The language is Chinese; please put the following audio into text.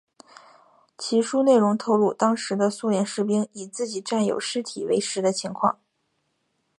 其书内容透露当时的苏联士兵以自己战友尸体为食的情况。